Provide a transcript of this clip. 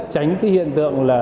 tránh cái hiện tượng là